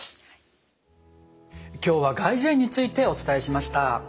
今日は外耳炎についてお伝えしました。